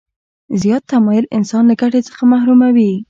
زیات تماعل انسان له ګټې څخه محروموي.